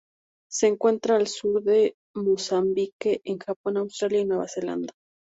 Se encuentra al sur de Mozambique, en Japón Australia y Nueva Zelanda.